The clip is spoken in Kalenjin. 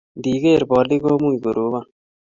nde ker polik ko much korobon